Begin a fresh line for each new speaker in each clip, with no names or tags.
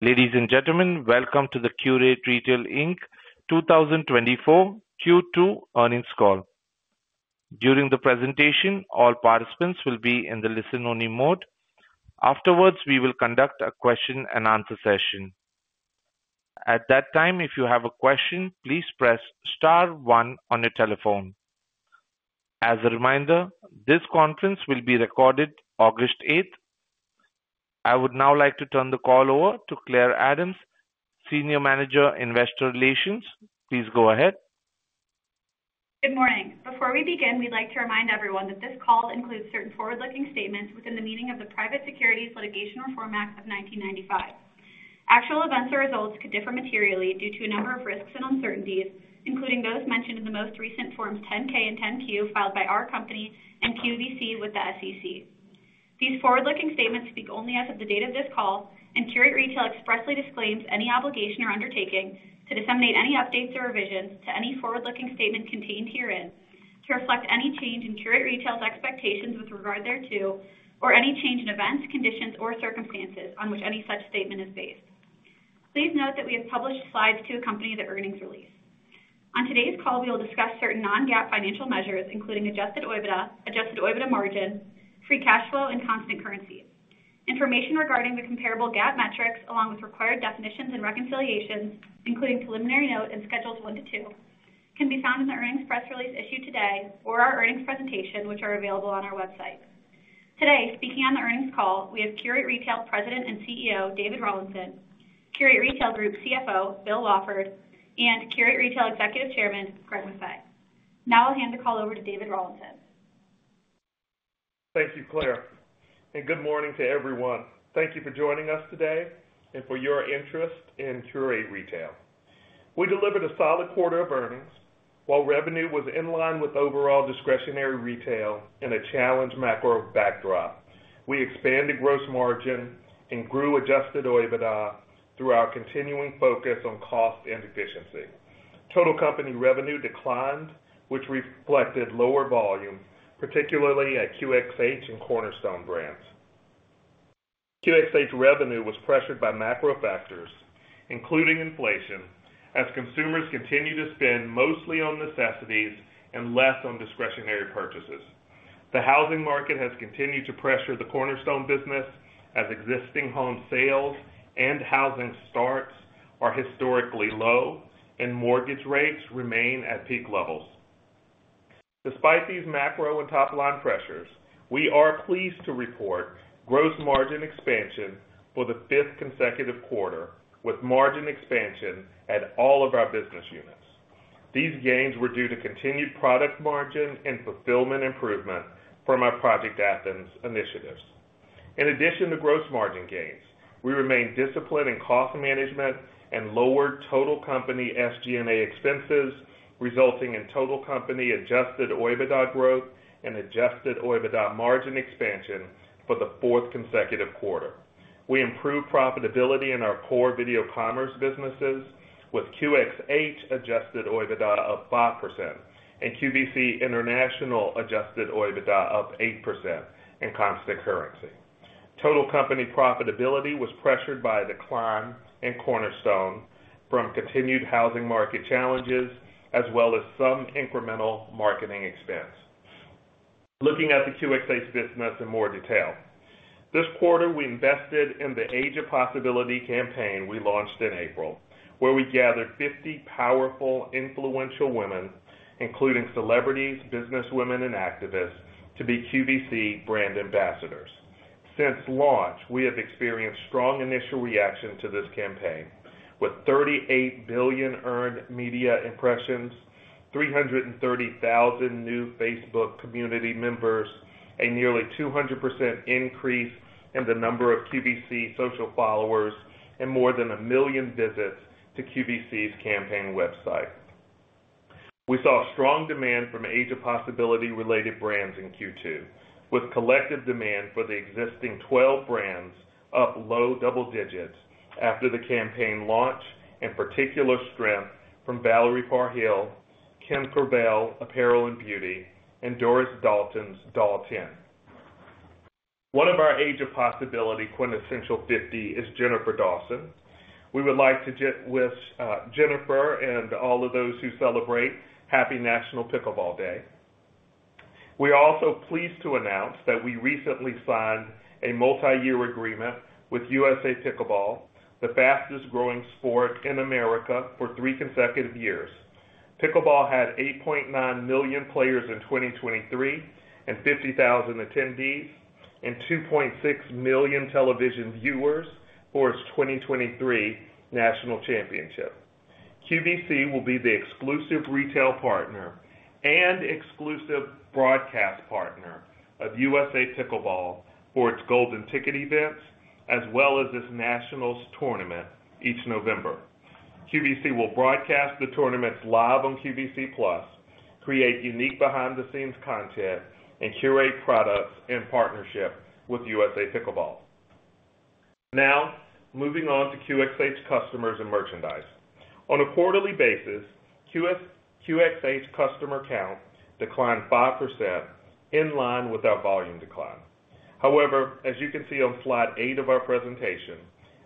Ladies and gentlemen, welcome to the Qurate Retail, Inc. 2024 Q2 earnings call. During the presentation, all participants will be in the listen-only mode. Afterwards, we will conduct a question-and-answer session. At that time, if you have a question, please press Star one on your telephone. As a reminder, this conference will be recorded August 8th. I would now like to turn the call over to Claire Adams, Senior Manager, Investor Relations. Please go ahead.
Good morning. Before we begin, we'd like to remind everyone that this call includes certain forward-looking statements within the meaning of the Private Securities Litigation Reform Act of 1995. Actual events or results could differ materially due to a number of risks and uncertainties, including those mentioned in the most recent Forms 10-K and 10-Q filed by our company and QVC with the SEC. These forward-looking statements speak only as of the date of this call, and Qurate Retail expressly disclaims any obligation or undertaking to disseminate any updates or revisions to any forward-looking statements contained herein, to reflect any change in Qurate Retail's expectations with regard thereto, or any change in events, conditions, or circumstances on which any such statement is based. Please note that we have published slides to accompany the earnings release. On today's call, we will discuss certain non-GAAP financial measures, including adjusted OIBDA, adjusted OIBDA margin, free cash flow, and constant currency. Information regarding the comparable GAAP metrics, along with required definitions and reconciliations, including preliminary note and schedules 1 to 2, can be found in the earnings press release issued today or our earnings presentation, which are available on our website. Today, speaking on the earnings call, we have Qurate Retail President and CEO, David Rawlinson, Qurate Retail Group CFO, Bill Wafford, and Qurate Retail Executive Chairman, Greg Maffei. Now I'll hand the call over to David Rawlinson.
Thank you, Claire, and good morning to everyone. Thank you for joining us today and for your interest in Qurate Retail. We delivered a solid quarter of earnings, while revenue was in line with overall discretionary retail in a challenged macro backdrop. We expanded gross margin and grew adjusted OIBDA through our continuing focus on cost and efficiency. Total company revenue declined, which reflected lower volume, particularly at QXH and Cornerstone Brands. QXH revenue was pressured by macro factors, including inflation, as consumers continued to spend mostly on necessities and less on discretionary purchases. The housing market has continued to pressure the Cornerstone business, as existing home sales and housing starts are historically low and mortgage rates remain at peak levels. Despite these macro and top-line pressures, we are pleased to report gross margin expansion for the fifth consecutive quarter, with margin expansion at all of our business units. These gains were due to continued product margin and fulfillment improvement from our Project Athens initiatives. In addition to gross margin gains, we remained disciplined in cost management and lowered total company SG&A expenses, resulting in total company adjusted OIBDA growth and adjusted OIBDA margin expansion for the fourth consecutive quarter. We improved profitability in our core video commerce businesses, with QXH adjusted OIBDA up 5% and QVC International adjusted OIBDA up 8% in constant currency. Total company profitability was pressured by a decline in Cornerstone from continued housing market challenges, as well as some incremental marketing expense. Looking at the QXH business in more detail. This quarter, we invested in the Age of Possibility campaign we launched in April, where we gathered 50 powerful, influential women, including celebrities, businesswomen, and activists, to be QVC brand ambassadors. Since launch, we have experienced strong initial reaction to this campaign, with 38 billion earned media impressions, 330,000 new Facebook community members, a nearly 200% increase in the number of QVC social followers, and more than 1 million visits to QVC's campaign website. We saw strong demand from Age of Possibility-related brands in Q2, with collective demand for the existing 12 brands up low double digits after the campaign launch, in particular, strength from Valerie Parr Hill, Kim Gravel Apparel and Beauty, and Doris Dalton's Doll 10. One of our Age of Possibility Quintessential 50 is Jennifer Dawson. We would like to just wish, Jennifer and all of those who celebrate, Happy National Pickleball Day. We are also pleased to announce that we recently signed a multiyear agreement with USA Pickleball, the fastest growing sport in America, for 3 consecutive years. Pickleball had 8.9 million players in 2023 and 50,000 attendees and 2.6 million television viewers for its 2023 national championship. QVC will be the exclusive retail partner and exclusive broadcast partner of USA Pickleball for its Golden Ticket events, as well as its nationals tournament each November. QVC will broadcast the tournaments live on QVC+, create unique behind-the-scenes content, and curate products in partnership with USA Pickleball. Now, moving on to QXH customers and merchandise. On a quarterly basis, QXH customer count declined 5%, in line with our volume decline. However, as you can see on Slide 8 of our presentation,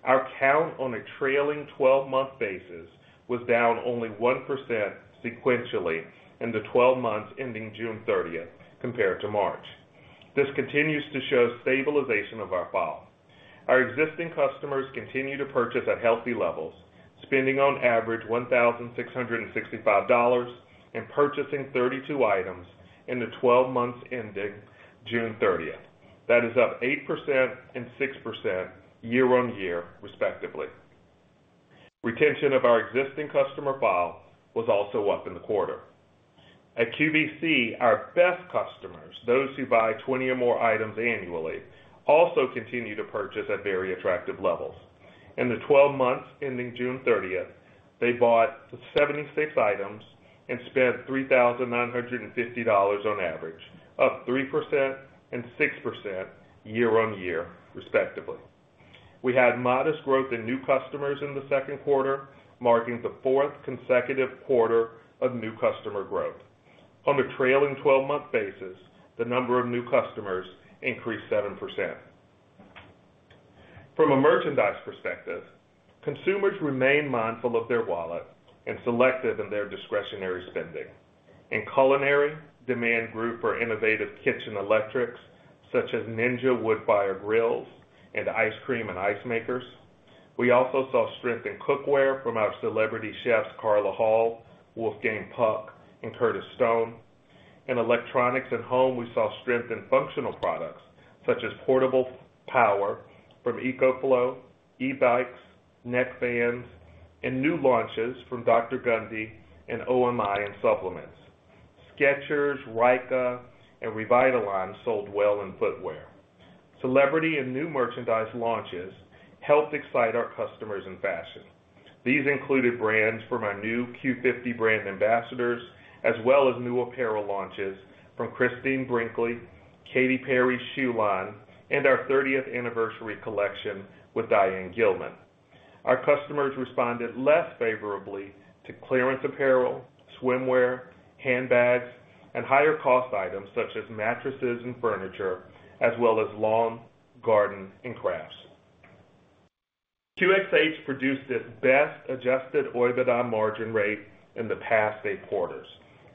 our count on a trailing 12-month basis was down only 1% sequentially in the 12months ending June 30th compared to March. This continues to show stabilization of our file. Our existing customers continue to purchase at healthy levels, spending on average $1,665 and purchasing 32 items in the 12 months ending June 30th. That is up 8% and 6% year-on-year, respectively. Retention of our existing customer file was also up in the quarter. At QVC, our best customers, those who buy 20 or more items annually, also continue to purchase at very attractive levels. In the 12 months ending June 30th, they bought 76 items and spent $3,950 on average, up 3% and 6% year-on-year, respectively. We had modest growth in new customers in the second quarter, marking the fourth consecutive quarter of new customer growth. On a trailing 12-month basis, the number of new customers increased 7%. From a merchandise perspective, consumers remain mindful of their wallet and selective in their discretionary spending. In culinary, demand grew for innovative kitchen electrics, such as Ninja Woodfire grills and ice cream and ice makers. We also saw strength in cookware from our celebrity chefs Carla Hall, Wolfgang Puck, and Curtis Stone. In electronics and home, we saw strength in functional products such as portable power from EcoFlow, e-bikes, neck bands, and new launches from Dr. Gundry and Omi in supplements. Skechers, Ryka, and Revitalign sold well in footwear. Celebrity and new merchandise launches helped excite our customers in fashion. These included brands from our new Q50 brand ambassadors, as well as new apparel launches from Christie Brinkley, Katy Perry's shoe line, and our thirtieth anniversary collection with Diane Gilman. Our customers responded less favorably to clearance apparel, swimwear, handbags, and higher cost items such as mattresses and furniture, as well as lawn, garden, and crafts. QXH produced its best adjusted OIBDA margin rate in the past eight quarters,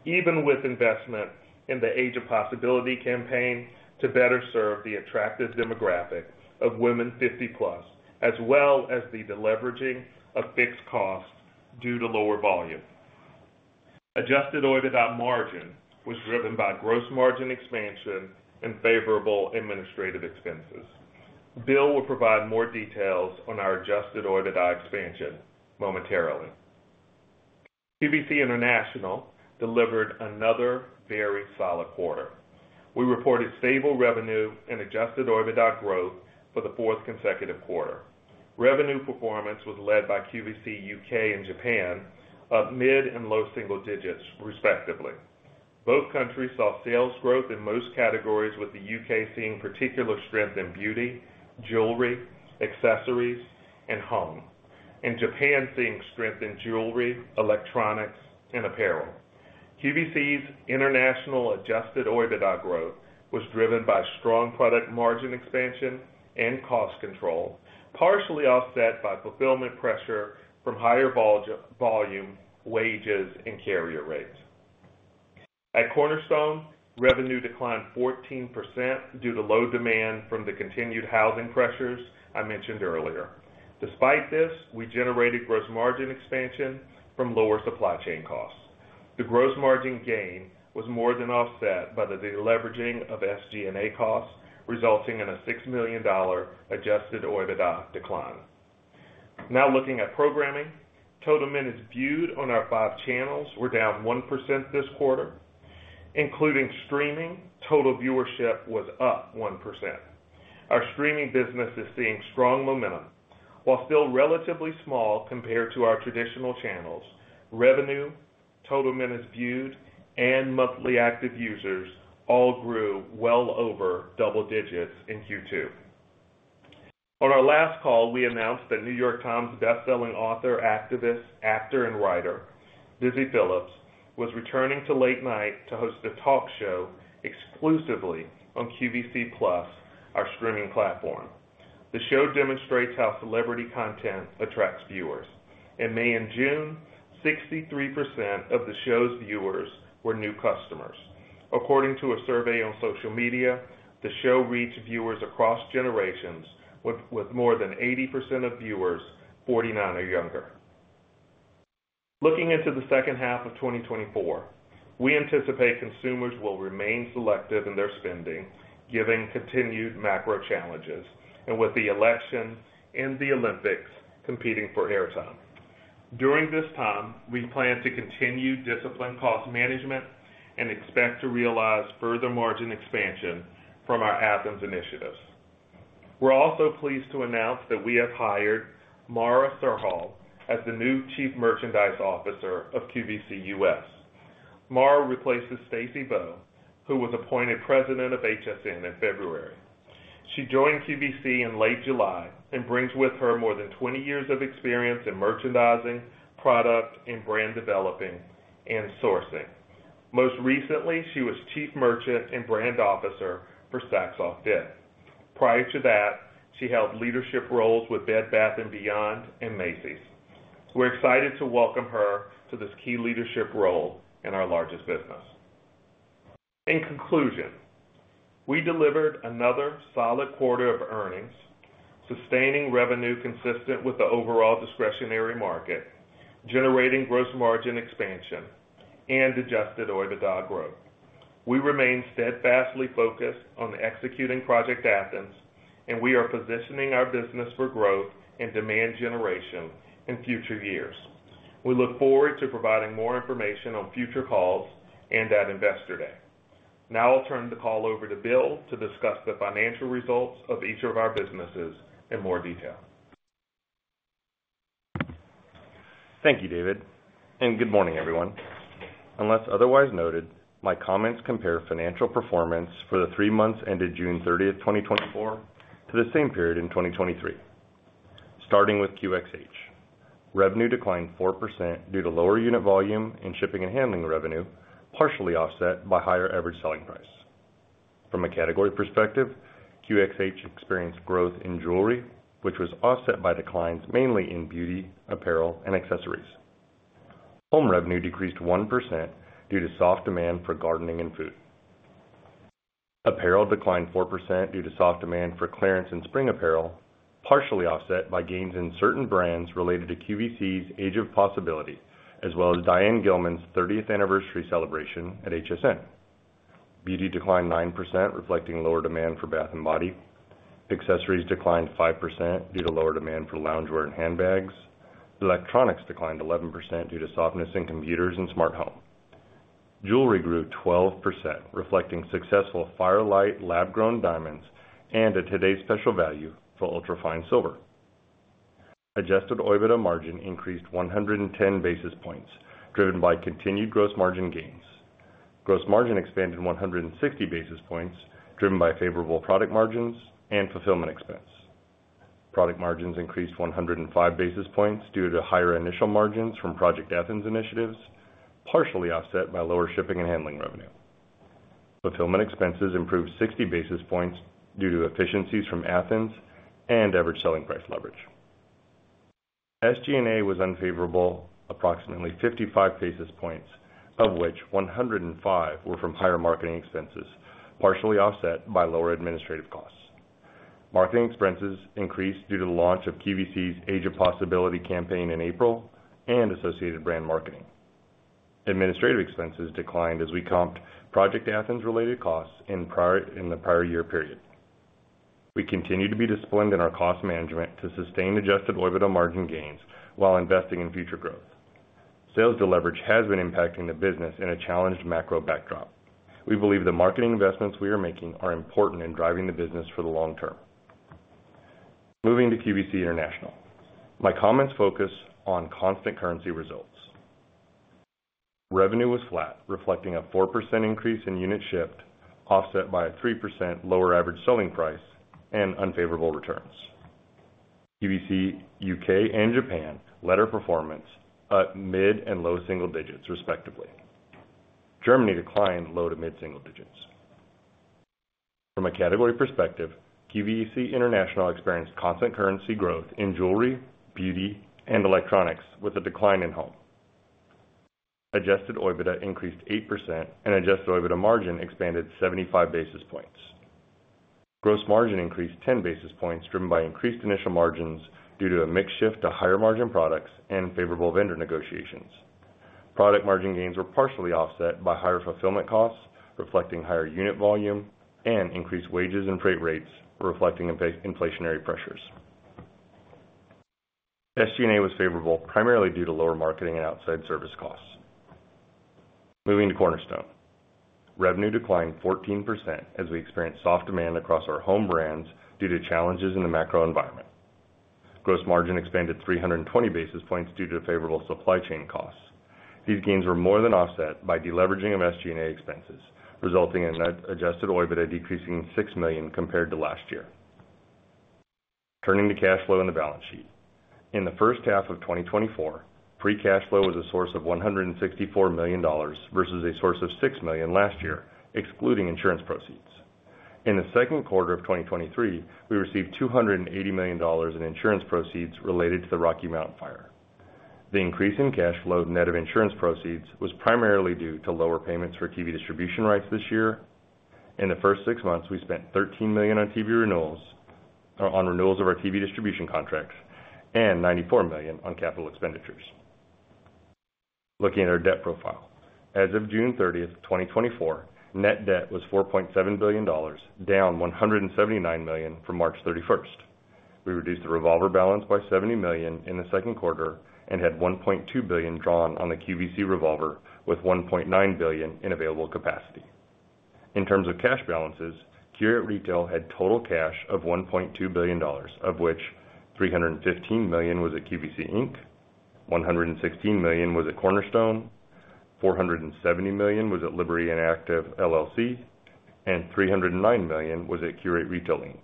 even with investment in the Age of Possibility campaign to better serve the attractive demographic of women 50+, as well as the deleveraging of fixed costs due to lower volume. Adjusted OIBDA margin was driven by gross margin expansion and favorable administrative expenses. Bill will provide more details on our adjusted OIBDA expansion momentarily. QVC International delivered another very solid quarter. We reported stable revenue and adjusted OIBDA growth for the fourth consecutive quarter. Revenue performance was led by QVC U.K. and Japan, up mid and low single digits, respectively. Both countries saw sales growth in most categories, with the U.K. seeing particular strength in beauty, jewelry, accessories, and home, and Japan seeing strength in jewelry, electronics, and apparel. QVC's international adjusted OIBDA growth was driven by strong product margin expansion and cost control, partially offset by fulfillment pressure from higher volume, wages, and carrier rates. At Cornerstone, revenue declined 14% due to low demand from the continued housing pressures I mentioned earlier. Despite this, we generated gross margin expansion from lower supply chain costs. The gross margin gain was more than offset by the deleveraging of SG&A costs, resulting in a $6 million adjusted OIBDA decline. Now looking at programming. Total minutes viewed on our five channels were down 1% this quarter. Including streaming, total viewership was up 1%. Our streaming business is seeing strong momentum. While still relatively small compared to our traditional channels, revenue, total minutes viewed, and monthly active users all grew well over double digits in Q2. On our last call, we announced that New York Times bestselling author, activist, actor, and writer, Busy Philipps, was returning to Late Night to host a talk show exclusively on QVC+, our streaming platform. The show demonstrates how celebrity content attracts viewers. In May and June, 63% of the show's viewers were new customers. According to a survey on social media, the show reached viewers across generations, with more than 80% of viewers 49 or younger. Looking into the second half of 2024, we anticipate consumers will remain selective in their spending, given continued macro challenges, and with the election and the Olympics competing for airtime. During this time, we plan to continue disciplined cost management and expect to realize further margin expansion from our Athens initiatives. We're also pleased to announce that we have hired Mara Serhal as the new Chief Merchandise Officer of QVC US. Mara replaces Stacy Bowe, who was appointed President of HSN in February. She joined QVC in late July and brings with her more than 20 years of experience in merchandising, product, and brand developing and sourcing. Most recently, she was Chief Merchant and Brand Officer for Saks OFF 5TH. Prior to that, she held leadership roles with Bed Bath & Beyond and Macy's. We're excited to welcome her to this key leadership role in our largest business. In conclusion, we delivered another solid quarter of earnings, sustaining revenue consistent with the overall discretionary market, generating gross margin expansion and adjusted OIBDA growth. We remain steadfastly focused on executing Project Athens, and we are positioning our business for growth and demand generation in future years. We look forward to providing more information on future calls and at Investor Day. Now I'll turn the call over to Bill to discuss the financial results of each of our businesses in more detail.
Thank you, David, and good morning, everyone. Unless otherwise noted, my comments compare financial performance for the three months ended June 30th, 2024 to the same period in 2023. Starting with QXH. Revenue declined 4% due to lower unit volume and shipping and handling revenue, partially offset by higher average selling price. From a category perspective, QXH experienced growth in jewelry, which was offset by declines mainly in beauty, apparel, and accessories. Home revenue decreased 1% due to soft demand for gardening and food. Apparel declined 4% due to soft demand for clearance in spring apparel, partially offset by gains in certain brands related to QVC's Age of Possibility, as well as Diane Gilman's 30th anniversary celebration at HSN. Beauty declined 9% due to lower demand for bath and body. Accessories declined 5% due to lower demand for loungewear and handbags. Electronics declined 11% due to softness in computers and smart home. Jewelry grew 12%, reflecting successful Fire Light, lab-grown diamonds, and a Today's Special Value for UltraFine silver. Adjusted OIBDA margin increased 110 basis points, driven by continued gross margin gains. Gross margin expanded 160 basis points, driven by favorable product margins and fulfillment expense. Product margins increased 105 basis points due to higher initial margins from Project Athens initiatives, partially offset by lower shipping and handling revenue. Fulfillment expenses improved 60 basis points due to efficiencies from Athens and average selling price leverage. SG&A was unfavorable, approximately 55 basis points, of which 105 were from higher marketing expenses, partially offset by lower administrative costs. Marketing expenses increased due to the launch of QVC's Age of Possibility campaign in April and associated brand marketing. Administrative expenses declined as we comped Project Athens related costs in the prior year period. We continue to be disciplined in our cost management to sustain adjusted OIBDA margin gains while investing in future growth. Sales deleverage has been impacting the business in a challenged macro backdrop. We believe the marketing investments we are making are important in driving the business for the long-term. Moving to QVC International. My comments focus on constant currency results. Revenue was flat, reflecting a 4% increase in units shipped, offset by a 3% lower average selling price and unfavorable returns. QVC U.K. and Japan led our performance at mid and low single digits, respectively. Germany declined low to mid-single-digits. From a category perspective, QVC International experienced constant currency growth in jewelry, beauty, and electronics, with a decline in home. Adjusted OIBDA increased 8% and adjusted OIBDA margin expanded 75 basis points. Gross margin increased 10 basis points driven by increased initial margins due to a mix shift to higher-margin products and favorable vendor negotiations. Product margin gains were partially offset by higher fulfillment costs, reflecting higher unit volume and increased wages and freight rates, reflecting inflationary pressures. SG&A was favorable, primarily due to lower marketing and outside service costs. Moving to Cornerstone. Revenue declined 14% as we experienced soft demand across our home brands due to challenges in the macro environment. Gross margin expanded 320 basis points due to favorable supply chain costs. These gains were more than offset by deleveraging of SG&A expenses, resulting in net adjusted OIBDA decreasing $6 million compared to last year. Turning to cash flow in the balance sheet. In the first half of 2024, free cash flow was a source of $164 million, versus a source of $6 million last year, excluding insurance proceeds. In the second quarter of 2023, we received $280 million in insurance proceeds related to the Rocky Mount fire. The increase in cash flow net of insurance proceeds was primarily due to lower payments for TV distribution rights this year. In the first six months, we spent $13 million on TV renewals, or on renewals of our TV distribution contracts and $94 million on capital expenditures. Looking at our debt profile, as of June 30th, 2024, net debt was $4.7 billion, down $179 million from March 31st. We reduced the revolver balance by $70 million in the second quarter and had $1.2 billion drawn on the QVC revolver, with $1.9 billion in available capacity. In terms of cash balances, QVC Retail had total cash of $1.2 billion, of which $315 million was at QVC Inc., $116 million was at Cornerstone, $470 million was at Liberty Interactive LLC, and $309 million was at Qurate Retail, Inc.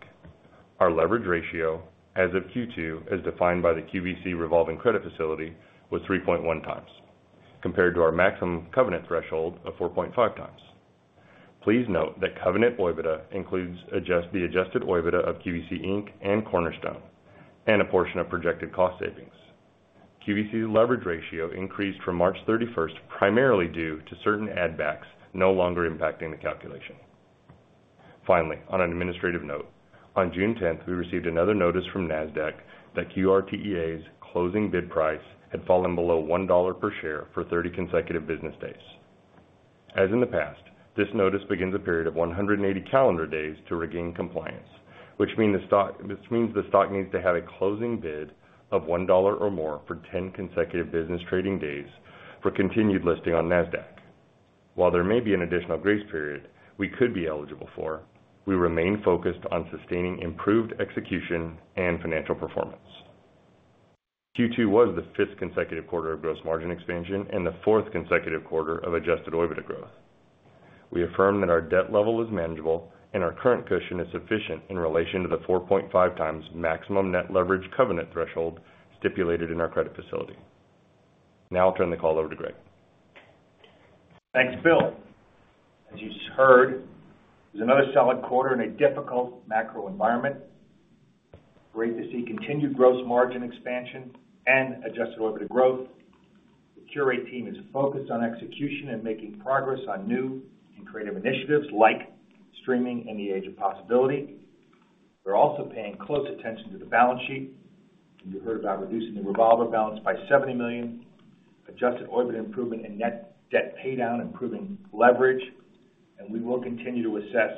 Our leverage ratio as of Q2, as defined by the QVC revolving credit facility, was 3.1x, compared to our maximum covenant threshold of 4.5x. Please note that covenant OIBDA includes the adjusted OIBDA of QVC Inc. and Cornerstone, and a portion of projected cost savings. QVC's leverage ratio increased from March 31st, primarily due to certain add backs, no longer impacting the calculation. Finally, on an administrative note, on June 10th, we received another notice from NASDAQ that QRTEA's closing bid price had fallen below $1 per share for 30 consecutive business days. As in the past, this notice begins a period of 180 calendar days to regain compliance, which mean the stock-- this means the stock needs to have a closing bid of $1 or more for 10 consecutive business trading days for continued listing on NASDAQ. While there may be an additional grace period we could be eligible for, we remain focused on sustaining improved execution and financial performance. Q2 was the fifth consecutive quarter of Gross Margin expansion and the fourth consecutive quarter of adjusted OIBDA growth. We affirm that our debt level is manageable and our current cushion is sufficient in relation to the 4.5x maximum net leverage covenant threshold stipulated in our credit facility. Now I'll turn the call over to Greg.
Thanks, Bill. As you just heard, it's another solid quarter in a difficult macro environment. Great to see continued gross margin expansion and adjusted OIBDA growth. The Qurate team is focused on execution and making progress on new and creative initiatives like streaming and the Age of Possibility. We're also paying close attention to the balance sheet, and you heard about reducing the revolver balance by $70 million, adjusted OIBDA improvement and net debt paydown, improving leverage, and we will continue to assess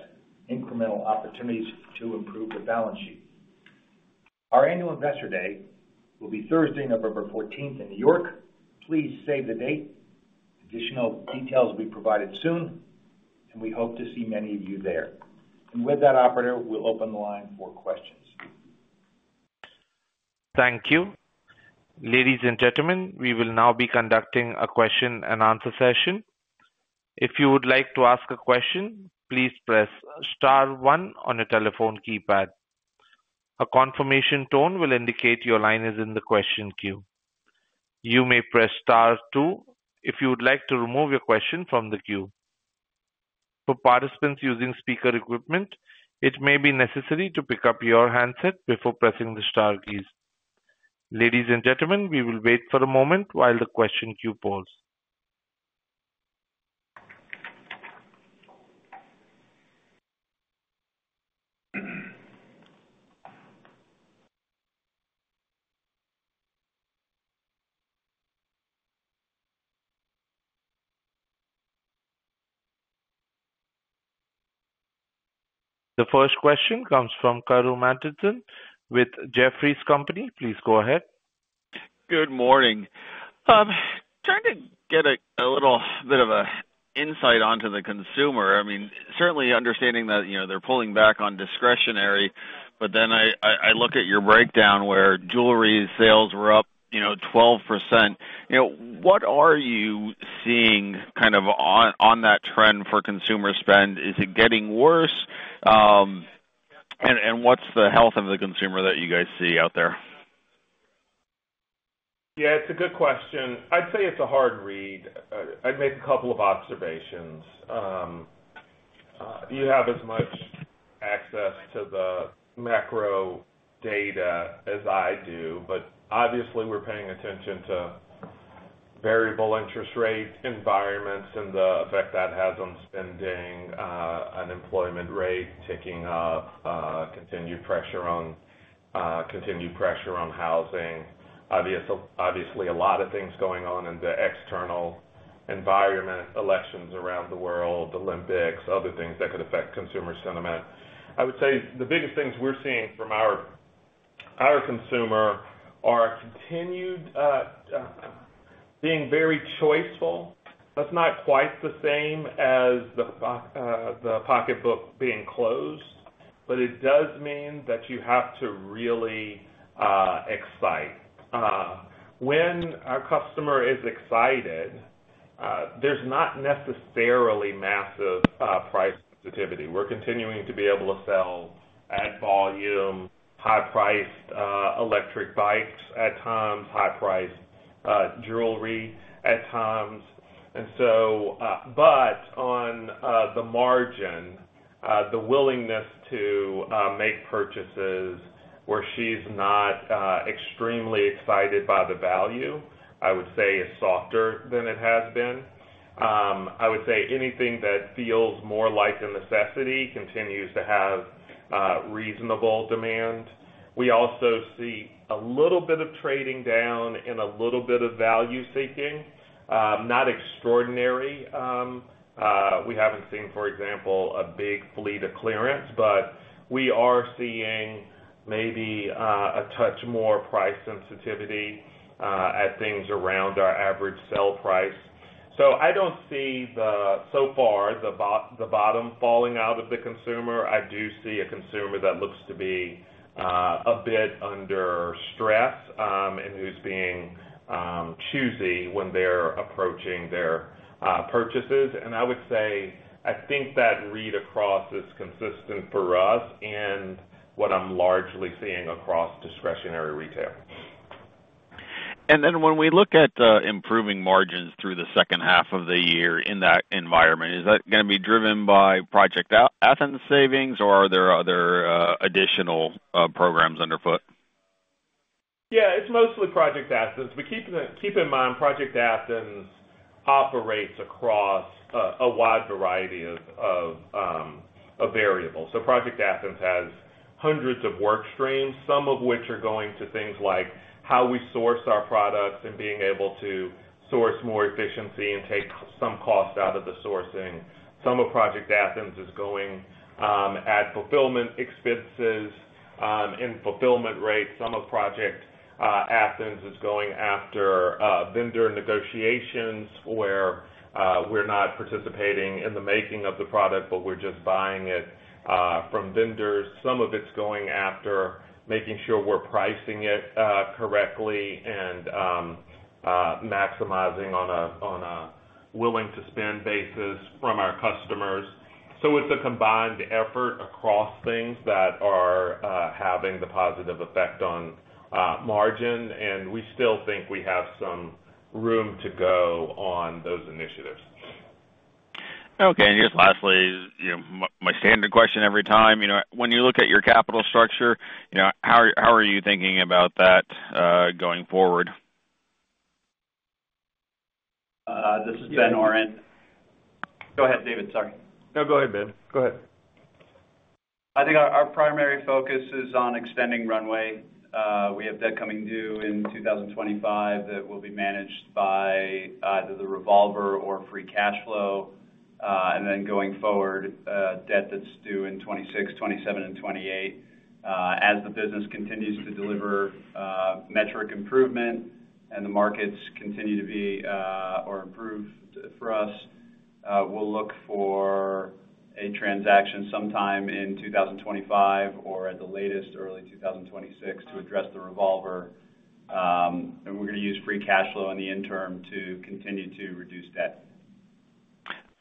incremental opportunities to improve the balance sheet. Our Annual Investor Day will be Thursday, November 14th, in New York. Please save the date. Additional details will be provided soon, and we hope to see many of you there. With that, operator, we'll open the line for questions.
Thank you. Ladies and gentlemen, we will now be conducting a question-and-answer session. If you would like to ask a question, please press Star one on your telephone keypad. A confirmation tone will indicate your line is in the question queue. You may press Star two if you would like to remove your question from the queue. For participants using speaker equipment, it may be necessary to pick up your handset before pressing the star keys. Ladies and gentlemen, we will wait for a moment while the question queue pulls. The first question comes from Karru Martinson with Jefferies. Please go ahead.
Good morning. Trying to get a little bit of insight onto the consumer, I mean, certainly understanding that, you know, they're pulling back on discretionary, but then I look at your breakdown where jewelry sales were up, you know, 12%. You know, what are you seeing kind of on that trend for consumer spend? Is it getting worse? And what's the health of the consumer that you guys see out there?
Yeah, it's a good question. I'd say it's a hard read. I'd make a couple of observations. You have as much access to the macro data as I do, but obviously we're paying attention to variable interest rates, environments, and the effect that has on spending, unemployment rate, ticking up, continued pressure on, continued pressure on housing. Obviously, a lot of things going on in the external environment, elections around the world, the Olympics, other things that could affect consumer sentiment. I would say the biggest things we're seeing from our, our consumer are continued, being very choiceful. That's not quite the same as the pocketbook being closed, but it does mean that you have to really, excite. When a customer is excited, there's not necessarily massive, price sensitivity. We're continuing to be able to sell at volume, high-priced, electric bikes at times, high-priced, jewelry at times. And so, but on, the margin, the willingness to, make purchases where she's not, extremely excited by the value, I would say is softer than it has been. I would say anything that feels more like a necessity continues to have, reasonable demand. We also see a little bit of trading down and a little bit of value seeking, not extraordinary. We haven't seen, for example, a big fleet of clearance, but we are seeing maybe, a touch more price sensitivity, at things around our average sale price. So I don't see so far, the bottom falling out of the consumer. I do see a consumer that looks to be a bit under stress, and who's being choosy when they're approaching their purchases. I would say, I think that read across is consistent for us and what I'm largely seeing across discretionary retail.
And then when we look at improving margins through the second half of the year in that environment, is that gonna be driven by Project A- Athens savings, or are there other additional programs underfoot?
Yeah, it's mostly Project Athens. But keep in, keep in mind, Project Athens operates across a wide variety of variables. So Project Athens has hundreds of work streams, some of which are going to things like how we source our products and being able to source more efficiency and take some cost out of the sourcing. Some of Project Athens is going at fulfillment expenses and fulfillment rates. Some of Project Athens is going after vendor negotiations, where we're not participating in the making of the product, but we're just buying it from vendors. Some of it's going after making sure we're pricing it correctly and maximizing on a willing to spend basis from our customers. So it's a combined effort across things that are having the positive effect on margin, and we still think we have some room to go on those initiatives.
Okay, and just lastly, you know, my standard question every time, you know, when you look at your capital structure, you know, how are you thinking about that going forward?
This is Ben Oren. Go ahead, David. Sorry.
No, go ahead, Ben. Go ahead.
I think our, our primary focus is on extending runway. We have debt coming due in 2025 that will be managed by the revolver or free cash flow, and then going forward, debt that's due in 2026, 2027 and 2028. As the business continues to deliver metric improvement and the markets continue to be or improve for us, we'll look for a transaction sometime in 2025 or at the latest, early 2026 to address the revolver. And we're gonna use free cash flow in the interim to continue to reduce debt.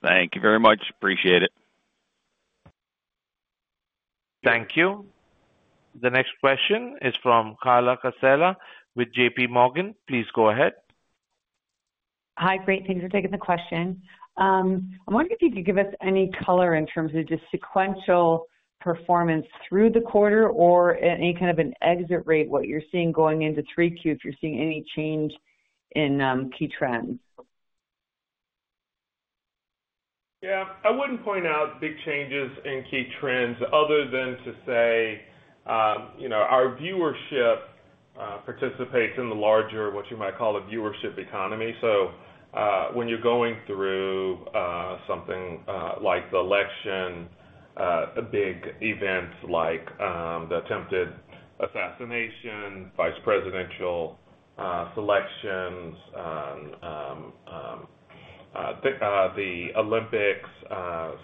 Thank you very much. Appreciate it.
Thank you. The next question is from Carla Casella with JP Morgan. Please go ahead.
Hi, great. Thanks for taking the question. I'm wondering if you could give us any color in terms of just sequential performance through the quarter or any kind of an exit rate, what you're seeing going into three Q, if you're seeing any change in, key trends?
Yeah, I wouldn't point out big changes in key trends other than to say, you know, our viewership participates in the larger, what you might call a viewership economy. So, when you're going through, something like the election, a big event like, the attempted assassination, vice presidential selections, the, the Olympics,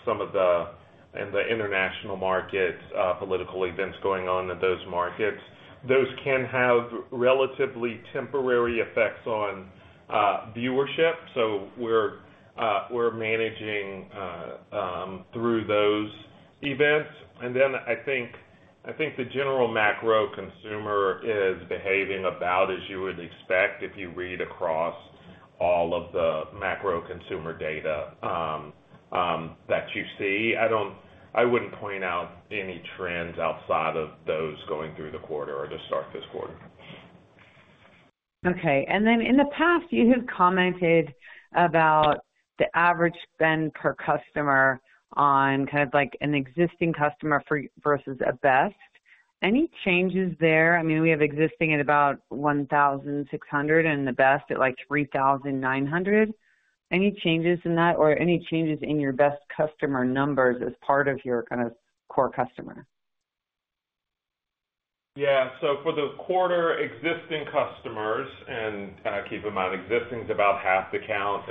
some of the- in the international markets, political events going on in those markets, those can have relatively temporary effects on, viewership. So we're, we're managing, through those events. And then I think, I think the general macro consumer is behaving about as you would expect if you read across all of the macro consumer data, that you see. I wouldn't point out any trends outside of those going through the quarter or to start this quarter.
Okay. And then in the past, you have commented about the average spend per customer on kind of like an existing customer versus a best. Any changes there? I mean, we have existing at about $1,600 and the best at, like, $3,900. Any changes in that or any changes in your best customer numbers as part of your kind of core customer?
Yeah. So for the quarter, existing customers, and keep in mind, existing is about half the count,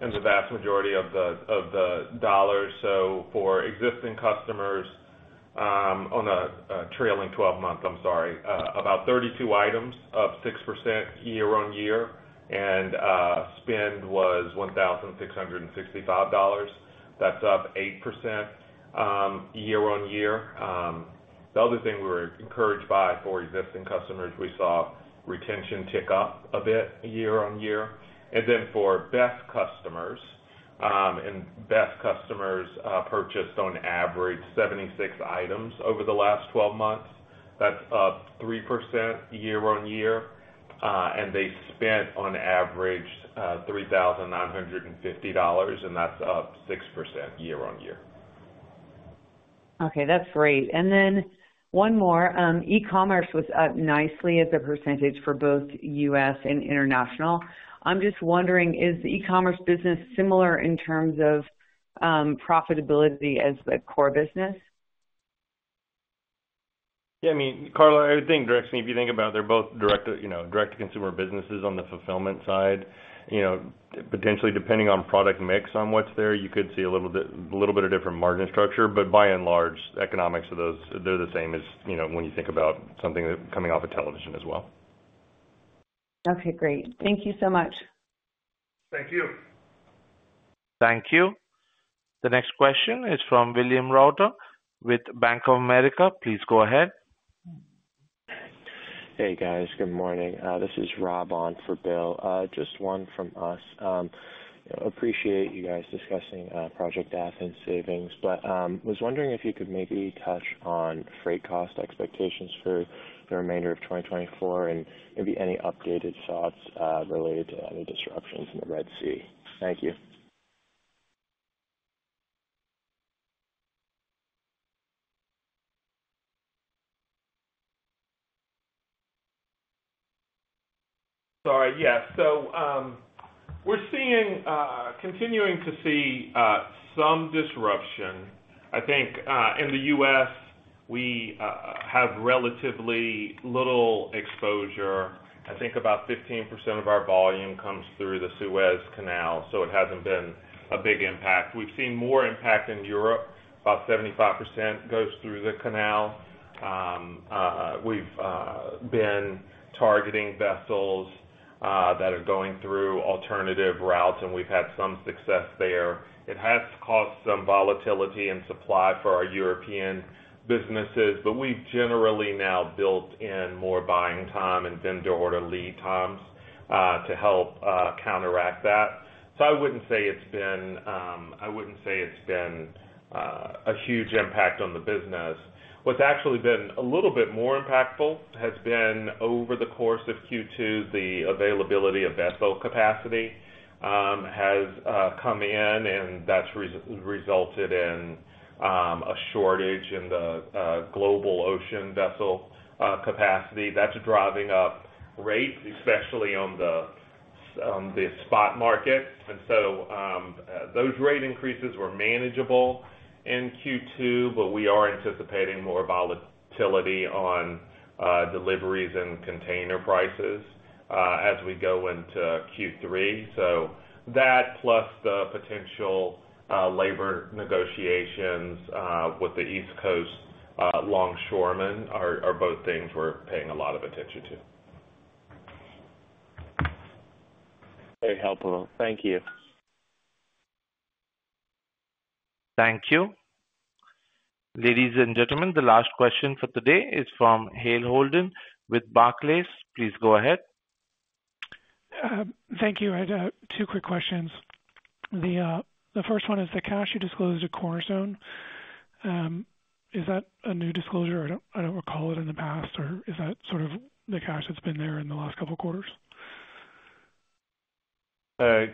and the vast majority of the dollars. So for existing customers, on a trailing 12 months, about 32 items, up 6% year-over-year, and spend was $1,665. That's up 8% year-over-year. The other thing we were encouraged by for existing customers, we saw retention tick up a bit year-over-year. And then for best customers, purchased on average 76 items over the last twelve months. That's up 3% year-on-year, and they spent on average $3,950, and that's up 6% year-on-year.
Okay, that's great. And then one more, e-commerce was up nicely as a percentage for both U.S. and international. I'm just wondering, is the e-commerce business similar in terms of, profitability as the core business?
Yeah, I mean, Carla, I would think directly, if you think about it, they're both direct to, you know, direct-to-consumer businesses on the fulfillment side. You know, potentially, depending on product mix, on what's there, you could see a little bit, a little bit of different margin structure. But by and large, economics of those, they're the same as, you know, when you think about something coming off a television as well.
Okay, great. Thank you so much.
Thank you.
Thank you. The next question is from William Reuter with Bank of America. Please go ahead.
Hey, guys. Good morning. This is Rob on for Bill. Just one from us. Appreciate you guys discussing Project Athens savings, but was wondering if you could maybe touch on freight cost expectations for the remainder of 2024, and maybe any updated thoughts related to any disruptions in the Red Sea. Thank you.
Sorry. Yeah. So, we're seeing continuing to see some disruption. I think in the U.S., we have relatively little exposure. I think about 15% of our volume comes through the Suez Canal, so it hasn't been a big impact. We've seen more impact in Europe. About 75% goes through the canal. We've been targeting vessels that are going through alternative routes, and we've had some success there. It has caused some volatility in supply for our European businesses, but we've generally now built in more buying time and vendor order lead times to help counteract that. So I wouldn't say it's been, I wouldn't say it's been, a huge impact on the business. What's actually been a little bit more impactful has been over the course of Q2, the availability of vessel capacity has come in, and that's resulted in a shortage in the global ocean vessel capacity. That's driving up rates, especially on the spot market. And so, those rate increases were manageable in Q2, but we are anticipating more volatility on deliveries and container prices as we go into Q3. So that, plus the potential labor negotiations with the East Coast longshoremen are both things we're paying a lot of attention to.
Very helpful. Thank you.
Thank you. Ladies and gentlemen, the last question for today is from Hale Holden with Barclays. Please go ahead.
Thank you. I had two quick questions. The first one is the cash you disclosed at Cornerstone. Is that a new disclosure? I don't recall it in the past, or is that sort of the cash that's been there in the last couple of quarters?
I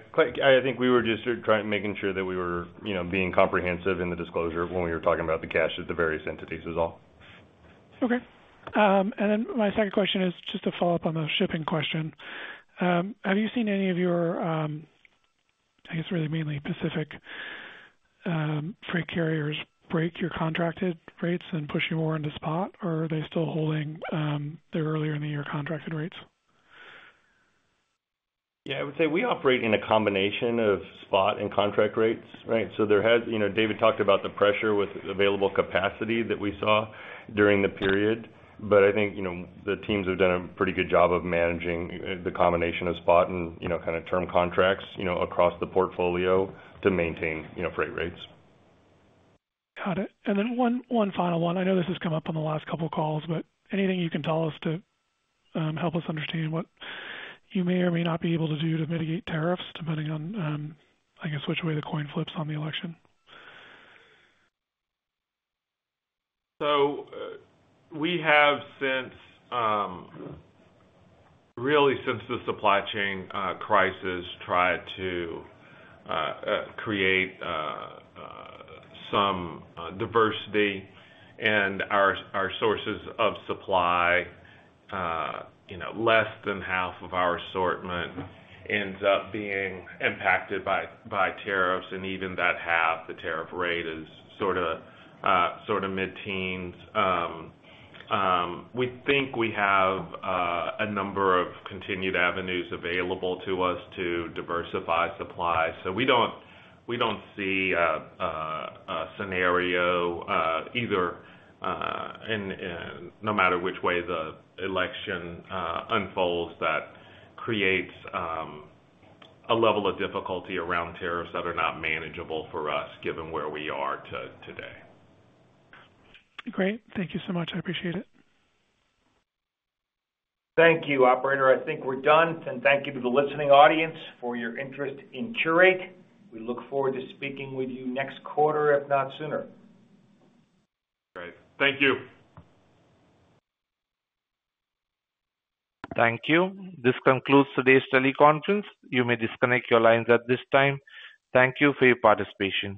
think we were just trying, making sure that we were, you know, being comprehensive in the disclosure when we were talking about the cash at the various entities, is all.
Okay. And then my second question is just a follow-up on the shipping question. Have you seen any of your, I guess, really mainly Pacific, freight carriers break your contracted rates and push you more into spot, or are they still holding, their earlier in the year contracted rates?
Yeah, I would say we operate in a combination of spot and contract rates, right? So there has. You know, David talked about the pressure with available capacity that we saw during the period, but I think, you know, the teams have done a pretty good job of managing the combination of spot and, you know, kind of term contracts, you know, across the portfolio to maintain, you know, freight rates.
Got it. And then one, one final one. I know this has come up on the last couple of calls, but anything you can tell us to help us understand what you may or may not be able to do to mitigate tariffs, depending on, I guess, which way the coin flips on the election?
So we have since really since the supply chain crisis tried to create some diversity in our sources of supply. You know, less than half of our assortment ends up being impacted by tariffs, and even that half, the tariff rate is sorta sort of mid-teens. We think we have a number of continued avenues available to us to diversify supply. So we don't see a scenario either in no matter which way the election unfolds, that creates a level of difficulty around tariffs that are not manageable for us, given where we are today.
Great. Thank you so much. I appreciate it.
Thank you, operator. I think we're done. Thank you to the listening audience for your interest in Qurate. We look forward to speaking with you next quarter, if not sooner.
Great. Thank you.
Thank you. This concludes today's teleconference. You may disconnect your lines at this time. Thank you for your participation.